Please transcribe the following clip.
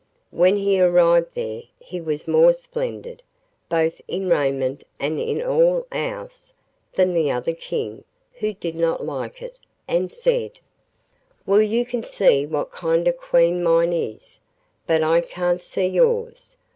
When he arrived there he was more splendid, both in raiment and in all else, than the other King, who did not like it, and said: 'Well, you can see what kind of Queen mine is, but I can't see yours.